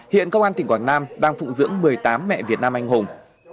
hiện công an tỉnh quảng nam đang phụ dưỡng một mươi tám mẹ việt nam anh hùng